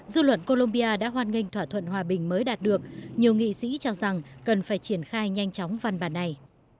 dư luận colombia đã hoan nghênh thỏa thuận hòa bình mới đạt được nhiều nghị sĩ cho rằng cần phải triển khai nhanh chóng văn bản này